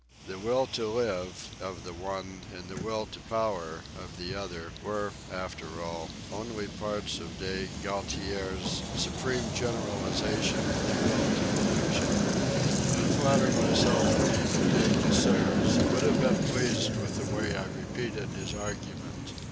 The "Will to Live" of the one and the "Will to Power" of the other were, after all, only parts of de Gaultier's supreme generalization, the "Will to Illusion." I flatter myself that even De Casseres would have been pleased with the way I repeated his argument.